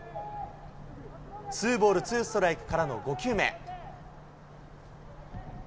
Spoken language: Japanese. ツーボールツーストライクからの５球目。